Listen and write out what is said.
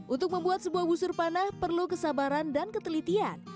untuk membuat sebuah busur panah perlu kesabaran dan ketelitian